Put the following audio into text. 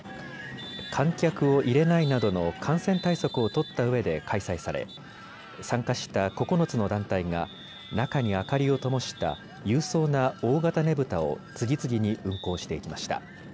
観客を入れないなどの感染対策を取ったうえで開催され参加した９つの団体が中に明かりをともした勇壮な大型ねぶたを次々に運行していきました。